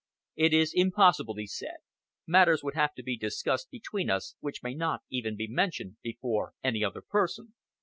"It is impossible," he said. "Matters would have to be discussed between us which may not even be mentioned before any other person."